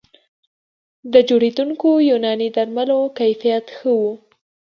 د جوړېدونکو یوناني درملو کیفیت ښه و